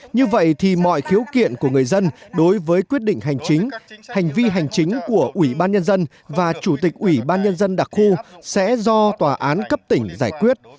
như vậy thì mọi khiếu kiện của người dân đối với quyết định hành chính hành vi hành chính của ủy ban nhân dân và chủ tịch ủy ban nhân dân đặc khu sẽ do tòa án cấp tỉnh giải quyết